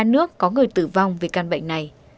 năm mươi hai nước có người tử vong vì căn bệnh này